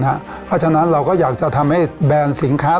เพราะฉะนั้นเราก็อยากจะทำให้แบรนด์สินค้า